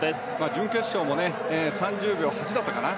準決勝も３０秒８だったかな。